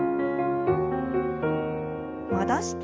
戻して。